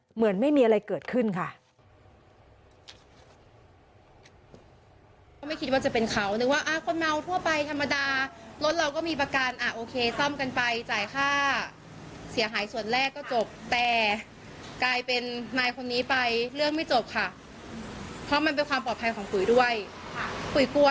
เหมือนไม่มีอะไรเกิดขึ้นค่ะ